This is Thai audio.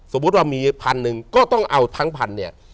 สมมุติว่ามีพันหนึ่งก็ต้องเอาทั้งพันเนี่ย